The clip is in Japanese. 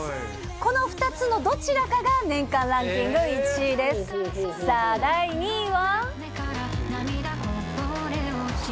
この２つのどちらかが、年間ランキング１位です。さあ、第２位は。